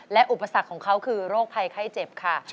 และอุปสรรคของเขาคือโรคภัยไข้เจ็บค่ะ